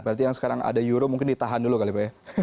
berarti yang sekarang ada euro mungkin ditahan dulu kali pak ya